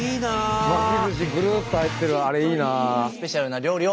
巻きずしぐるっと入ってるあれいいな。